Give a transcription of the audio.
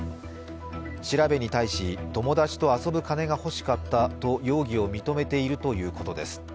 調べに対し、友達と遊ぶ金が欲しかったと容疑を認めているということです。